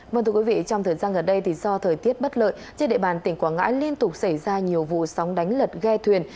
vâng thưa quý vị trong thời gian gần đây thì do thời tiết bất lợi trên địa bàn tỉnh quảng ngãi liên tục xảy ra nhiều vụ sóng đánh lật ghe thuyền